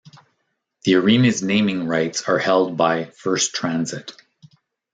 The arena's naming rights are held by First Transit.